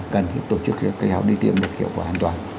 cần tổ chức cái học đi tiêm được hiệu quả an toàn